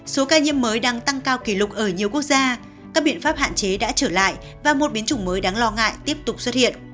số ca nhiễm mới đang tăng cao kỷ lục ở nhiều quốc gia các biện pháp hạn chế đã trở lại và một biến chủng mới đáng lo ngại tiếp tục xuất hiện